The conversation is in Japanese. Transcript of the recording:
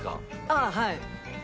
ああはい。